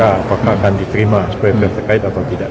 apakah akan diterima sebagai pihak terkait atau tidak